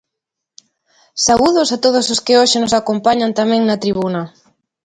Saúdos a todos os que hoxe nos acompañan tamén na tribuna.